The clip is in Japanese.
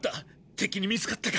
敵に見つかったか！